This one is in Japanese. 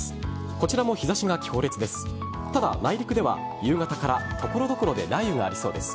こちらも日差しが強烈です。